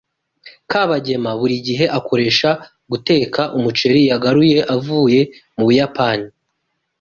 Kabagema buri gihe akoresha guteka umuceri yagaruye avuye mu Buyapani